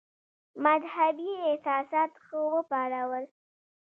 مدهبي احساسات ښه وپارول.